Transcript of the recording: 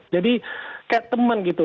jadi kayak teman gitu